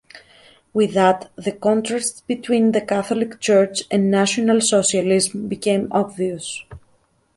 With that the contrasts between the Catholic Church and National Socialism became obvious.